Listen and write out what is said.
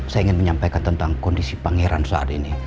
saya ingin menyampaikan tentang kondisi pangeran saat ini